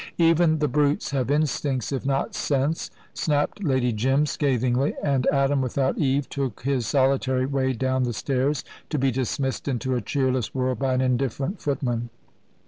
"Even the brutes have instincts, if not sense," snapped Lady Jim, scathingly, and Adam, without Eve, took his solitary way down the stairs, to be dismissed into a cheerless world by an indifferent footman.